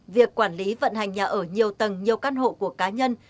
việc quản lý vận hành nhà ở nhiều tầng nhiều căn hộ của cá nhân